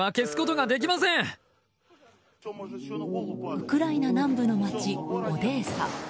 ウクライナ南部の街オデーサ。